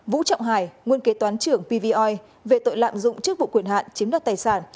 vũ trọng hải nguyên kế toán trưởng pvoi về tội lạm dụng chức vụ quyền hạn chiếm đoạt tài sản